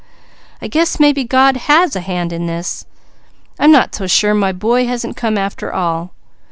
I guess maybe God has a hand in this. I'm not so sure my boy hasn't come after all.